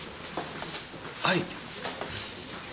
はい？